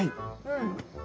うん。